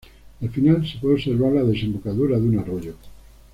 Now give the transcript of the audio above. Al final se puede observar la desembocadura de un arroyo.